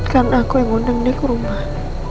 kan aku yang ngundang dia ke rumah